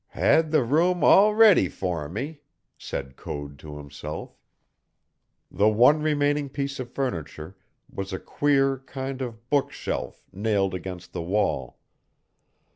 "Had the room all ready for me," said Code to himself. The one remaining piece of furniture was a queer kind of book shelf nailed against the wall.